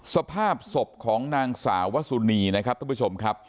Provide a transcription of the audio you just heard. สภาพศพของนางสาววสุนีนะครับท่านผู้ชมครับ